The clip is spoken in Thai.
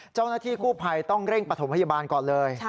เจ้าหน้าที่กู้ภัยต้องเร่งปฐมพยาบาลก่อนเลย